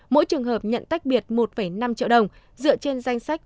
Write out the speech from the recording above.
mỗi trường hợp nhận tách biệt một năm triệu đồng dựa trên danh sách